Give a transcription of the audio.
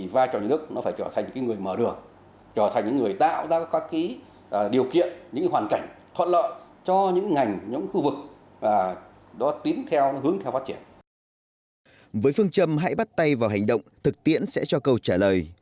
với phương châm hãy bắt tay vào hành động thực tiễn sẽ cho câu trả lời